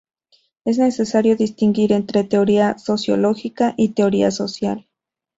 Es necesario distinguir entre "Teoría sociológica" y "Teoría social".